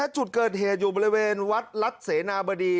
จุดเกิดเหตุอยู่บริเวณวัดรัฐเสนาบดี